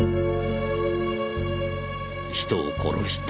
人を殺した。